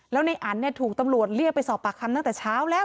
แล้วในอันเนี่ยถูกตำรวจเรียกไปสอบปากคำตั้งแต่เช้าแล้ว